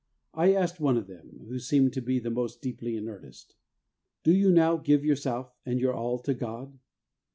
I asked one of them, who seemed to be the most deeply in earnest, ' Do you now^ give your self and your all to God